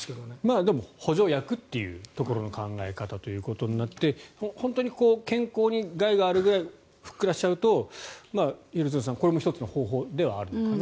でも補助薬というところの考え方ということになって本当に健康に害があるくらいふっくらしちゃうと廣津留さんこれも１つの方法なのかなと。